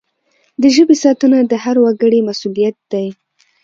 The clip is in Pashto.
د ژبي ساتنه د هر وګړي مسؤلیت دی.